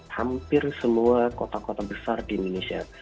hampir semua kota kota besar di indonesia